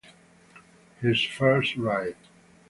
His First Ride